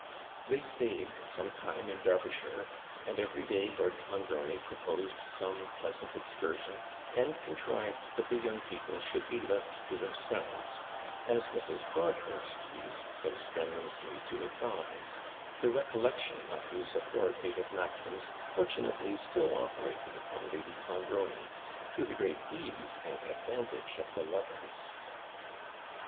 They stayed some time in Derbyshire, and every day Lord Clonbrony proposed some pleasant excursion, and contrived that the young people should be left to themselves, as Mrs. Broadhurst used so strenuously to advise; the recollection of whose authoritative maxims fortunately still operated upon Lady Clonbrony, to the great ease and advantage of the lovers.